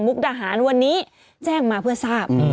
ทหารวันนี้แจ้งมาเพื่อทราบ